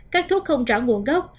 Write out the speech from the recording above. các thuốc không trả nguồn gốc